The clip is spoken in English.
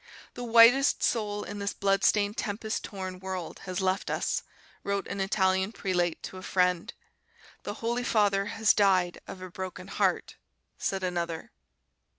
"The whitest soul in this blood stained tempest torn world has left us," wrote an Italian prelate to a friend. "The Holy Father has died of a broken heart," said another.